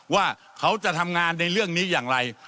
ว่าเขาจะทำงานในเรื่องนี้อย่างไร